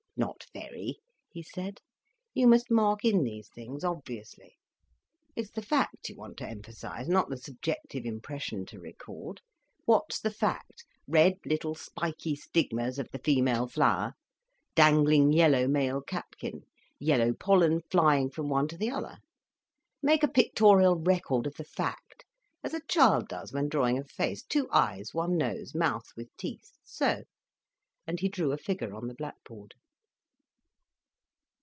"Not very," he said. "You must mark in these things obviously. It's the fact you want to emphasise, not the subjective impression to record. What's the fact?—red little spiky stigmas of the female flower, dangling yellow male catkin, yellow pollen flying from one to the other. Make a pictorial record of the fact, as a child does when drawing a face—two eyes, one nose, mouth with teeth—so—" And he drew a figure on the blackboard.